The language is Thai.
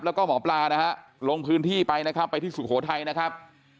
แล้วก็หมอปลานะฮะลงพื้นที่ไปนะครับไปที่สุโขทัยนะครับ